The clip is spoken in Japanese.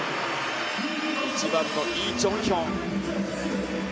１番のイ・ジョンヒョン。